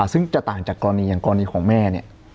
ซึ่งจะต่างจากกรณีอย่างกรณีของแม่เนี่ย